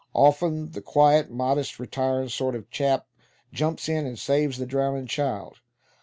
Often the quiet, modest, retirin' sort of chap jumps in, and saves the drownin' child."